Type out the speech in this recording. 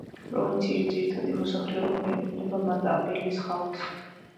პროვინციის ძირითადი მოსახლეობა მიეკუთვნება მატაბელეს ხალხს.